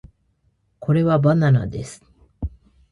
これはバナナです